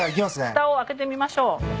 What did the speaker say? ふたを開けてみましょう。